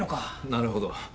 なるほど。